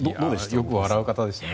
よく笑う方でしたね。